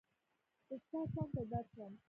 چې ستا څنګ ته درشم